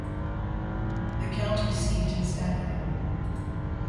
The county seat is Akron.